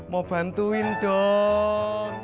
mau bantuin dong